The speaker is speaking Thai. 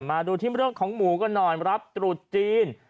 มาดูที่เรื่องของหมูกันหน่อยรับตรุษจีน